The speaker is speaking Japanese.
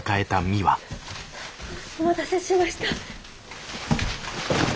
お待たせしました。